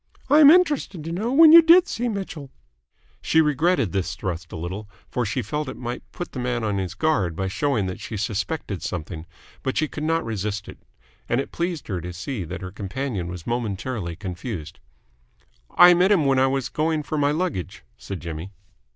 I am interested to know when you did see Mitchell?" She regretted this thrust a little, for she felt it might put the man on his guard by showing that she suspected something but she could not resist it, and it pleased her to see that her companion was momentarily confused. "I met him when I was going for my luggage," said Jimmy.